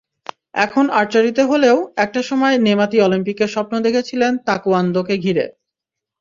এখন আর্চারিতে হলেও একটা সময় নেমাতি অলিম্পিকের স্বপ্ন দেখেছিলেন তায়কোয়ান্দোকে ঘিরে।